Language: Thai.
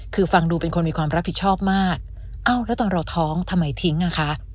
คือฟังดูเป็นคนมีความรับผิดชอบมากเอ้าแล้วตอนเราท้องทำไมทิ้งอ่ะคะ